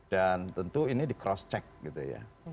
dan tentu ini di cross check gitu ya